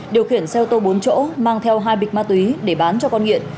điều khiển xe ô tô bốn chỗ mang theo hai bịch ma túy để bán cho con nghiện